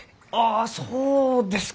あそうですか。